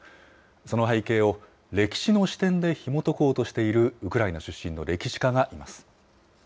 その背景を歴史の視点でひもとこうとしているウクライナ出身の歴史家がいます。